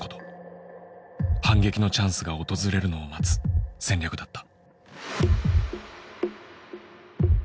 反撃のチャンスが訪れるのを待つ戦略だった。